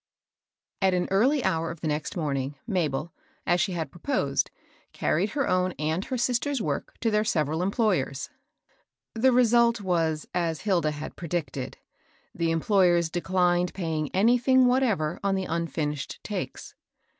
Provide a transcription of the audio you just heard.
T an early hour of the next morning, Ma bel, as she had proposed, carried her own and her sister's work to their several em TC# ployers. The result was as Hilda had ^f% predicted, the employers declined paying anything whatever on the unfinished takes.